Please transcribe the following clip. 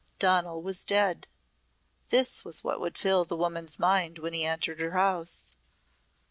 Donal was dead. This was what would fill this woman's mind when he entered her house.